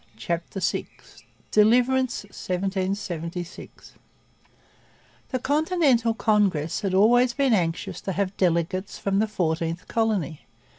CHAPTER VI DELIVERANCE 1776 The Continental Congress had always been anxious to have delegates from the Fourteenth Colony.